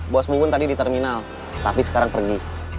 bos mungun tadi di terminal tapi sekarang pergi